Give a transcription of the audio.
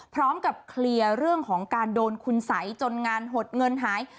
พร้อมกับเคลียร์เรื่องของการโดนคุณสัยจนงานหดเงินหาย